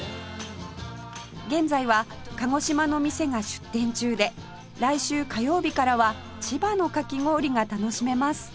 現在は鹿児島の店が出店中で来週火曜日からは千葉のかき氷が楽しめます